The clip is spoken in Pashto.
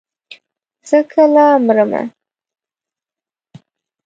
زه کله مرمه.